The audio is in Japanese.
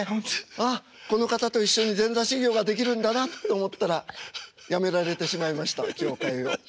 ああこの方と一緒に前座修業ができるんだなと思ったらやめられてしまいました協会を。